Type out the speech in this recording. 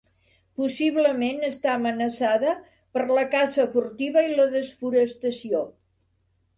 Possiblement està amenaçada per la caça furtiva i la desforestació.